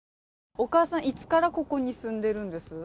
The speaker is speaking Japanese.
お母さん、いつからここに住んでるんです？